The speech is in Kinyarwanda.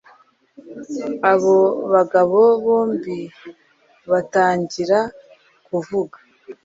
Abo bagabo bombi batangira kuvuga.